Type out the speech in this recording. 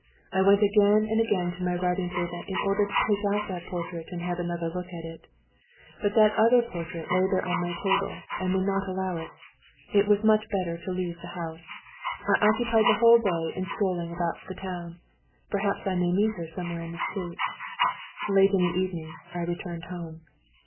I went again and again to my writing table in order to take out that portrait and have another look at it. But that other portrait lay there on my table and would not allow it. It was much better to leave the house. I occupied the whole day in strolling about the town. Perhaps I may meet her somewhere in the street. Late in the evening I returned home.